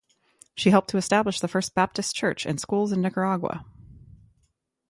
She helped to establish the first Baptist church and schools in Nicaragua.